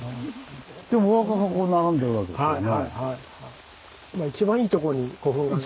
でお墓がこう並んでるわけですからね。